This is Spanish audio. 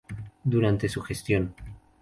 Durante su gestión.